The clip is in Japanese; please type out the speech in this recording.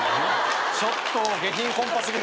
ちょっと下品コンパ過ぎるな。